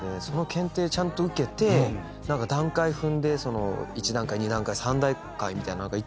その検定ちゃんと受けて段階踏んで１段階２段階３段階みたいな。